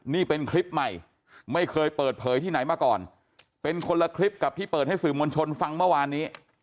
นี่เป็นคลิปใหม่ไม่เคยเปิดเผยที่ไหนมาก่อนเป็นคนละคลิปกับที่เปิดให้สื่อมวลชนฟังเมื่อวานนี้